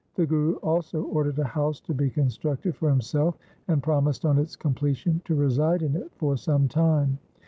The Guru also ordered a house to be constructed for himself and promised on its completion to reside in it for some time.